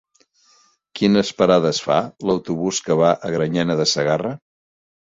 Quines parades fa l'autobús que va a Granyena de Segarra?